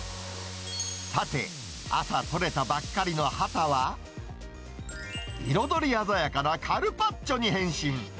さて、朝取れたばっかりのハタは、彩り鮮やかなカルパッチョに変身。